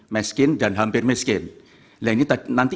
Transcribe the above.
miskin dan hampir miskin nah ini nanti